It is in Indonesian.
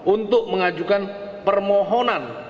untuk mengajukan permohonan